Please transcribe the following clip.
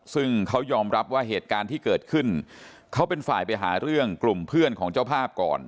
ซึ่งเขายอมรับว่าเหตุการณ์ที่เกิดขึ้นเขาเป็นฝ่ายไปหาเรื่องกลุ่มเพื่อนของเจ้าภาพก่อน